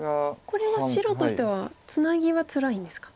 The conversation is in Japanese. これは白としてはツナギはつらいんですか。